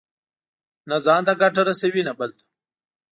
نه ځان ته ګټه رسوي، نه بل ته.